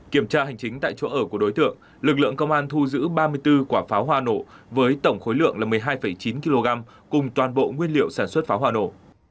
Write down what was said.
kiểm tra hành chính tại chỗ ở của đối tượng lực lượng công an thu giữ ba mươi bốn quả pháo hoa nổ với tổng khối lượng là một mươi hai chín kg cùng toàn bộ nguyên liệu sản xuất pháo hoa nổ